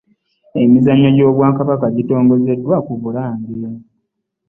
Emizannyo gy'ebitongole by'obwakabaka gitongozeddwa ku Bulange